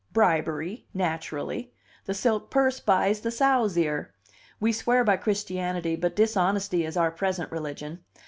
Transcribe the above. Bribery, naturally. The silk purse buys the sow's ear. We swear by Christianity, but dishonesty is our present religion.